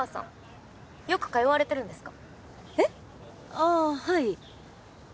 あぁはい。